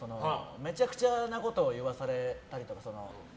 めちゃくちゃなことを言わされたりとか。